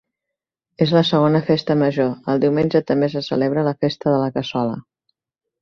És la segona festa major, el diumenge també se celebra la Festa de la Cassola.